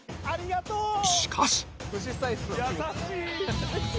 しかし。